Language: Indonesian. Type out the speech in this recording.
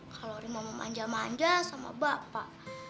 kalau rima mau manja manja sama bapak